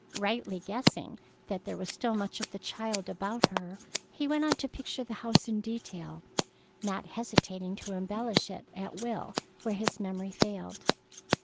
Rightly guessing that there was still much of the child about her, he went on to picture the house in detail, not hesitating to embellish it at will where his memory failed.